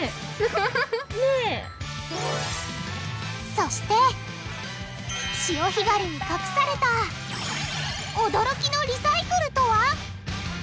そして潮干狩りに隠された驚きのリサイクルとは！？